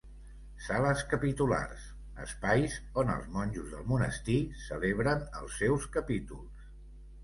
Sales capitulars: espais on els monjos del monestir celebren els seus capítols.